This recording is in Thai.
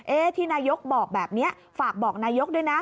ที่นายกบอกแบบนี้ฝากบอกนายกด้วยนะ